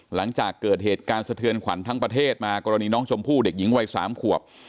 หลังจากเกิดเหตุการณ์สะเทือนขวัญทั้งประเทศมากรณีน้องชมพู่เด็กหญิงวัย๓ขวบ